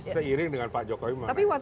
seiring dengan pak jokowi